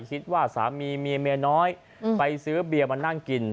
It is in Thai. คิดว่าสามีเมียเมียน้อยไปซื้อเบียร์มานั่งกิน